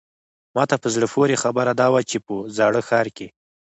ماته په زړه پورې خبره دا وه چې په زاړه ښار کې.